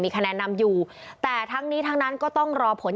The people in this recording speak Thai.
คะแนนนำอยู่แต่ทั้งนี้ทั้งนั้นก็ต้องรอผล